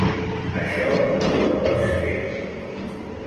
Això no ho pots fer!